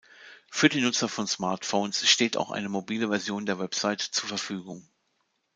Für die Nutzer von Smartphones steht auch eine mobile Version der Website zur Verfügung.